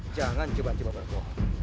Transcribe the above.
jangan cepat cepat bergo